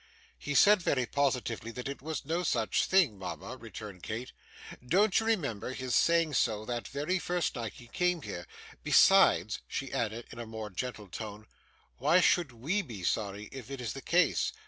'He said very positively that it was no such thing, mama,' returned Kate. 'Don't you remember his saying so that very first night he came here? Besides,' she added, in a more gentle tone, 'why should WE be sorry if it is the case?